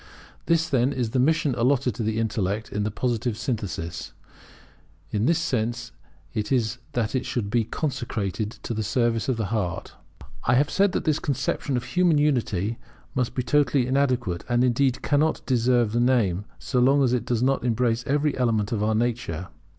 This, then, is the mission allotted to the intellect in the Positive synthesis; in this sense it is that it should be consecrated to the service of the heart. I have said that our conception of human unity must be totally inadequate, and, indeed, cannot deserve the name, so long as it does not embrace every element of our nature.